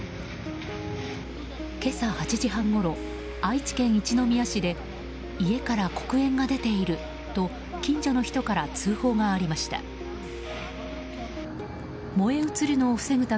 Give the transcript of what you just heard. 今朝８時半ごろ愛知県一宮市で家から黒煙が出ていると近所の人から通報がありました。